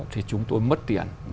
thì chúng tôi mất tiền